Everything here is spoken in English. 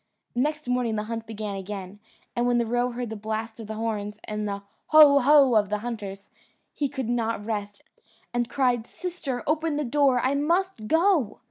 Next morning the hunt began again, and when the roe heard the blast of the horns, and the "Ho! ho!" of the hunters, he could not rest, and cried, "Sister, open the door; I must go."